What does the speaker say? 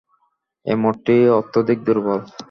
এ মতটি অত্যধিক দুর্বল।